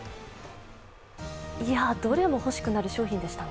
どれも欲しくなる商品でしたね。